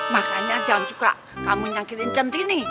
makanya jangan suka kamu nyangkirin centini